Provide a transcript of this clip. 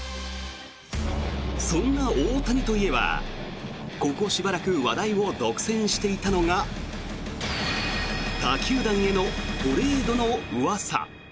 そんな大谷といえばここしばらく話題を独占していたのが他球団へのトレードのうわさ。